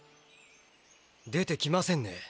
出てきませんね。